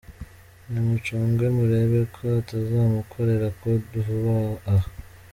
Nimucunge murebe ko atazamukorera coup vuba aha.